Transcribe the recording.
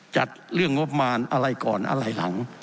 จัดเรื่องงบประมาณอะไรก่อนอะไรหลัง